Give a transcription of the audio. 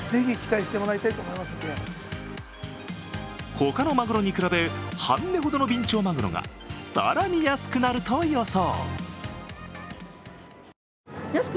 他のマグロに比べ、半値ほどのビンチョウマグロが更に安くなると予想。